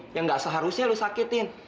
yang gak seharusnya lo sakitin